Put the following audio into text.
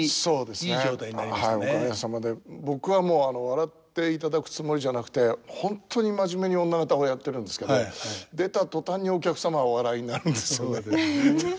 僕は笑っていただくつもりじゃなくて本当に真面目に女方をやってるんですけど出た途端にお客様がお笑いになるんですよね。